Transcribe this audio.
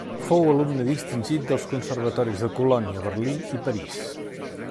Fou alumne distingit dels Conservatoris de Colònia, Berlín i París.